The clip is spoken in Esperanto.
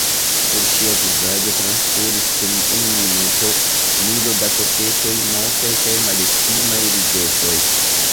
Sur ŝia vizaĝo transkuris dum unu minuto milo da koketaj, mokaj kaj malestimaj ridetoj.